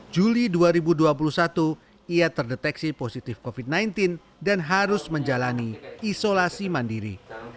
juli dua ribu dua puluh satu ia terdeteksi positif covid sembilan belas dan harus menjalani isolasi mandiri